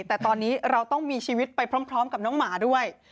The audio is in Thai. แต่ตอนนี้เราต้องมีชีวิตไปพร้อมกับน้องหมาด้วย